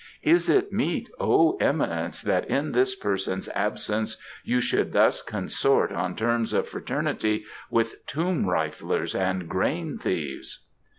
"Is it meet, O eminence, that in this person's absence you should thus consort on terms of fraternity with tomb riflers and grain thieves?"